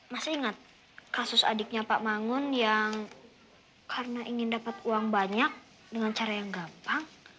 masih ingat kasus adiknya pak mangun yang karena ingin dapat uang banyak dengan cara yang gampang